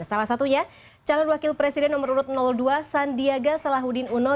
salah satunya calon wakil presiden nomor urut dua sandiaga salahuddin uno